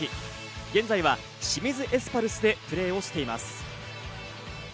現在は清水エスパルスでプレーをしています。